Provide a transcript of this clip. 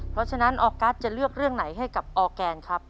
เพราะฉะนั้นออกัสจะเลือกเรื่องไหนให้กับออร์แกนครับ